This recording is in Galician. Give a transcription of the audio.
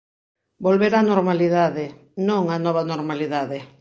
Volver á normalidade, non á nova normalidade.